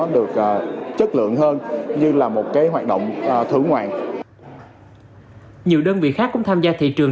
được chất lượng hơn như là một cái hoạt động thưởng ngoạn nhiều đơn vị khác cũng tham gia thị trường